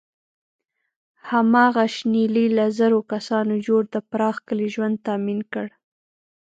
هماغه شنیلي له زرو کسانو جوړ د پراخ کلي ژوند تأمین کړ.